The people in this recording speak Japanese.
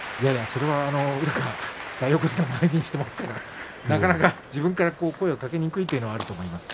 それは、宇良が大横綱を前にしていますからなかなか自分から声をかけにくいというのもあると思います。